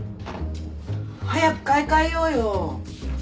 早く買い替えようよ。